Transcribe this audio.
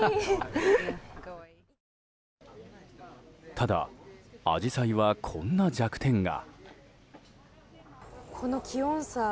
ただ、アジサイはこんな弱点が。